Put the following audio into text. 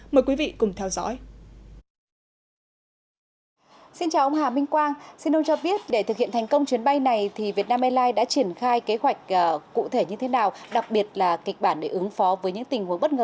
mời quý vị cùng theo dõi